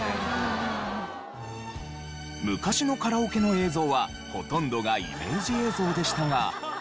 昔のカラオケの映像はほとんどがイメージ映像でしたが。